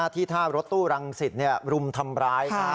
ที่ท่ารถตู้รังสิตรุมทำร้าย